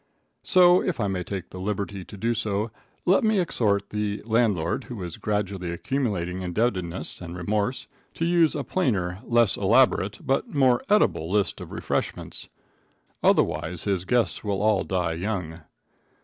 So, if I may take the liberty to do so, let me exhort the landlord who is gradually accumulating indebtedness and remorse, to use a plainer, less elaborate, but more edible list of refreshments. Otherwise his guests will all die young.